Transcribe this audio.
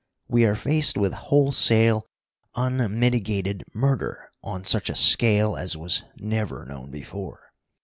We are faced with wholesale, unmitigated murder, on such a scale as was never known before.